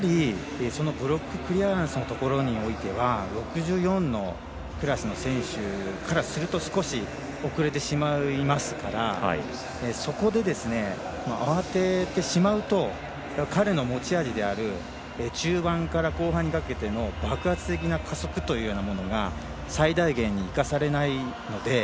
ブロッククリアランスのところにおいては６４のクラスの選手からすると少し遅れてしまいますからそこで慌ててしまうと彼の持ち味である中盤から後半にかけての爆発的な加速というようなものが最大限に生かされないので。